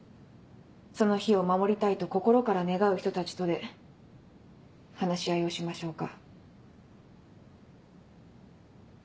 その日を守りたいと心から願う人たちとで話し合いをしましょうか。